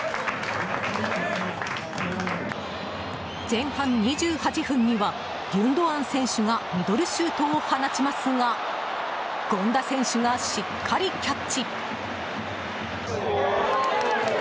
前半２８分にはギュンドアン選手がミドルシュートを放ちますが権田選手がしっかりキャッチ。